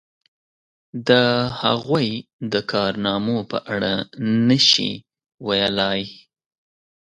د هغوی د کارنامو په اړه نشي ویلای.